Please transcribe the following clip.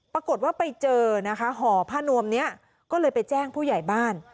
ปรากฏว่าไปเจอนะคะห่อผ้านวมนี้ก็เลยไปแจ้งผู้ใหญ่บ้าน